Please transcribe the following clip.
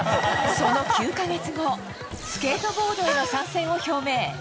その９か月後スケートボードへの参戦を表明。